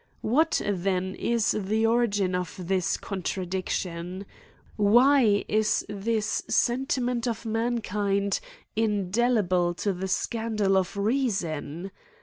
What then is the origin of this contradiction ? Why is this sentiment of mankind indelible to the scandal of reason